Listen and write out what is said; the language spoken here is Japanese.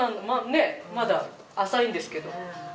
ねえまだ浅いんですけど。